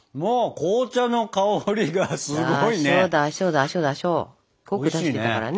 濃く出してたからね